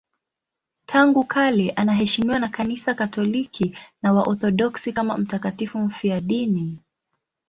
Tangu kale anaheshimiwa na Kanisa Katoliki na Waorthodoksi kama mtakatifu mfiadini.